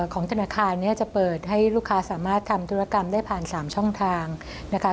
ของธนาคารเนี่ยจะเปิดให้ลูกค้าสามารถทำธุรกรรมได้ผ่าน๓ช่องทางนะคะ